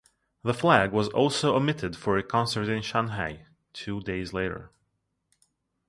The flag was also omitted for a concert in Shanghai two days later.